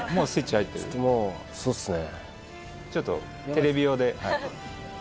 そうっすね。